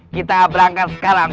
kita berangkat sekarang